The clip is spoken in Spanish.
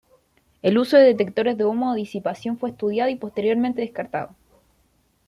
El uso de detectores de humo o disipación fue estudiado y posteriormente descartado.